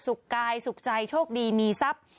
กายสุขใจโชคดีมีทรัพย์